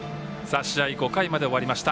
試合５回まで終わりました。